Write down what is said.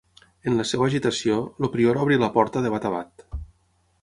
En la seva agitació, el prior obre la porta de bat a bat.